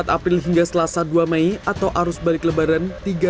sejak dua puluh empat april hingga selasa dua mei atau arus balik lebaran